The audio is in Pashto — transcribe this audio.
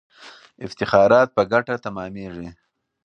افتخارات په ګټه تمامیږي.